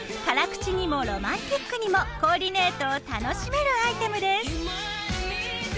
辛口にもロマンチックにもコーディネートを楽しめるアイテムです。